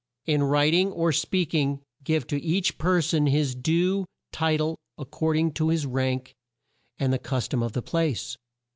"In wri ting or speak ing give to each per son his due ti tle ac cord ing to his rank and the cus tom of the place.